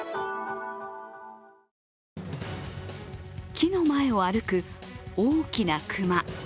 木の前を歩く大きな熊。